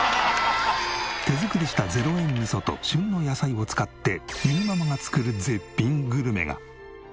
手作りした０円味噌と旬の野菜を使ってゆにママが作る絶品グルメが。